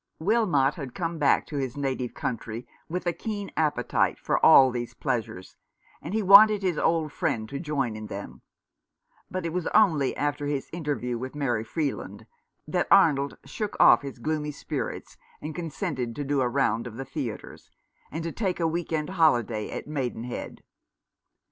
Wilmot had come back to his native country with a keen appetite for all these pleasures, and he wanted his old friend to join in them ; but it was only after his interview with Mary Freeland that Arnold shook off his gloomy spirits and con sented to do a round of the theatres, and to take a week end holiday at Maidenhead.